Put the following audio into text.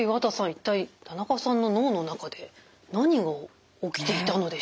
一体田中さんの脳の中で何が起きていたのでしょうか？